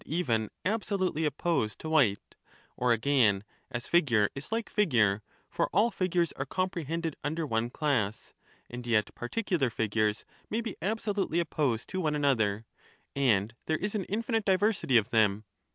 even absolutely opposed to white : or again, as figure is like figure, for all figures are comprehended under one class ; and yet particular figures may be absolutely opposed to one 13 another, and there is an infinite diversity of them.